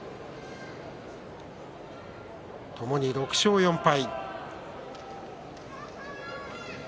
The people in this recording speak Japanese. ともに６勝４敗。